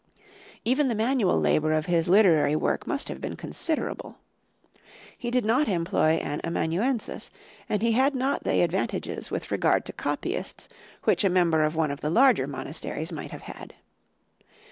Even the manual labour of his literary work must have been considerable. He did not employ an amanuensis, and he had not the advantages with regard to copyists which a member of one of the larger monasteries might have had.